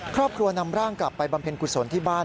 ครอบครัวนำร่างกลับไปบำเพ็ญกุศลที่บ้าน